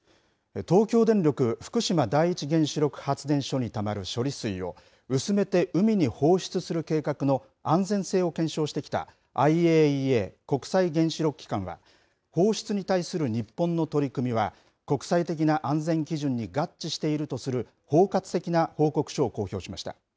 東京電力福島第一原子力発電所にたまる処理水を、薄めて海に放出する計画の安全性を検証してきたＩＡＥＡ・国際原子力機関は、放出に対する日本の取り組みは国際的な安全基準に合致しているとする包括的な報告書を公表しました。